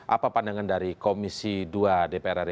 apa pandangan dari komisi dua dpr ri